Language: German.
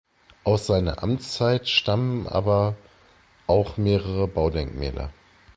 Aus seiner Amtszeit stammen aber auch mehrere Baudenkmäler.